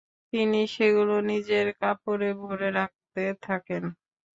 তিনি সেগুলো নিজের কাপড়ে ভরে রাখতে থাকেন।